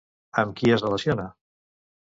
Amb qui es relaciona?